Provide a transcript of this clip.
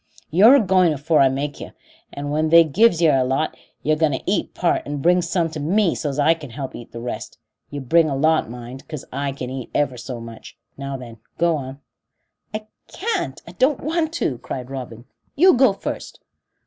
You're agoing afore I makes yer, and when they've give yer a lot, you're going to eat part and bring some to me so's I can help eat the rest. You bring a lot, mind, 'cause I can eat ever so much. Now then, go on." "I can't I don't want to," cried Robin. "You go first."